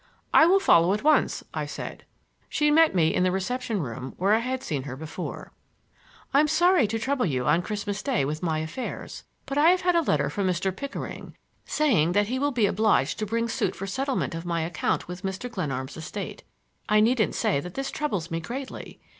"I will follow at once," I said. She met me in the reception room where I had seen her before. "I'm sorry to trouble you on Christmas Day with my affairs, but I have had a letter from Mr. Pickering, saying that he will he obliged to bring suit for settlement of my account with Mr. Glenarm's estate. I needn't say that this troubles me greatly.